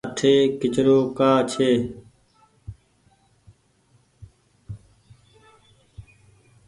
اٺي ڪچرو ڪآ ڇي ۔